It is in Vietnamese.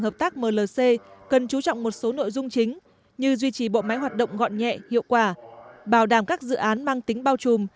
hợp tác mlc cần chú trọng một số nội dung chính như duy trì bộ máy hoạt động gọn nhẹ hiệu quả bảo đảm các dự án mang tính bao trùm